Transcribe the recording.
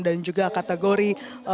dan juga kategori